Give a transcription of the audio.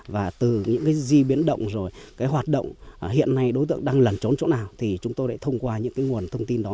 và từ những di biến động rồi hoạt động hiện nay đối tượng đang lần trốn chỗ nào thì chúng tôi đã thông qua những nguồn thông tin đó